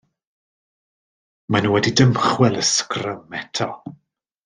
Maen nhw wedi dymchwel y sgrym eto.